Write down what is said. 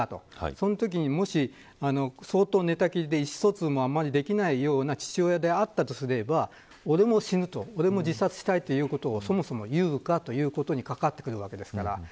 そのときに寝たきりで意思疎通もあんまりできないような父親であったとすれば俺も自殺したいということをそもそも言うのかということに関わってきますから。